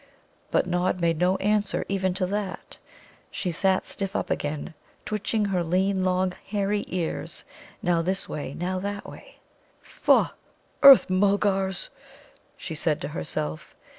But Nod made no answer even to that. She sat stiff up again, twitching her lean, long, hairy ears, now this way, now that way. "Foh, Earth mulgars!" she said to herself.